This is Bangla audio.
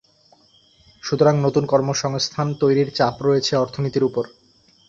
সুতরাং নতুন কর্মসংস্থান তৈরির চাপ রয়েছে অর্থনীতির ওপর।